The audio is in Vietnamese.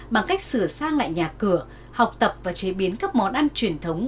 bằng cách sửa sang lại nhà cửa học tập và chế biến các món ăn truyền thống